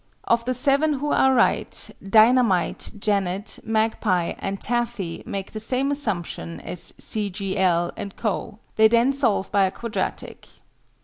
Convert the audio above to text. Of the seven who are right, DINAH MITE, JANET, MAGPIE, and TAFFY make the same assumption as C. G. L. and Co. They then solve by a Quadratic.